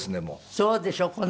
そうでしょう